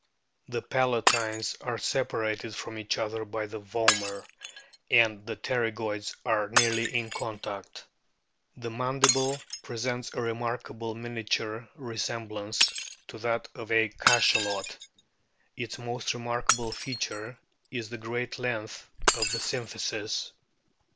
The palatines are separated from each other by the vomer, and the pterygoids are nearly in contact. "The mandible presents a remarkable miniature resemblance to that of a Cachalot." Its most remarkable feature is the great length of the symphysis.